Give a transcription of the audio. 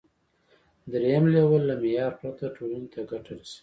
دریم لیول له معیار پرته ټولنې ته ګټه رسوي.